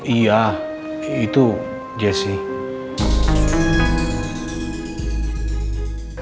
iya itu jessy